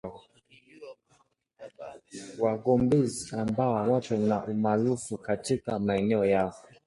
wagombezi ambao wako na umaarufu katika maeneo yao